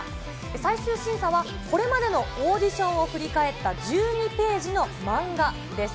最終審査は、これまでのオーディションを振り返った１２ページの漫画です。